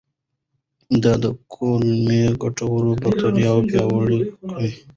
دا د کولمو ګټورې باکتریاوې پیاوړې کوي.